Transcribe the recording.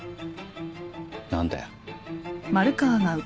何だよ。